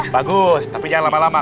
bagus tapi jangan lama lama